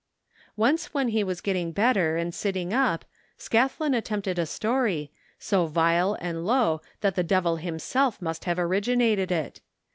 Once when he was getting better and sitting up Scathlin attempted a story, so vile and low that the devil himself must have originated it.